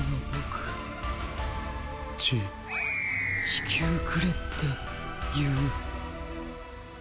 地球くれって言う。